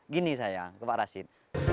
gini saya ke pak rashid